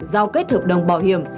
giao kết hợp đồng bảo hiểm